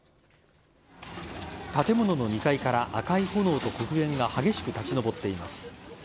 建物の２階から赤い炎と黒煙が激しく立ち上っています。